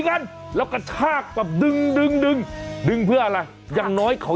งั้นแล้วกระชากแบบดึงดึงดึงดึงเพื่ออะไรอย่างน้อยเขา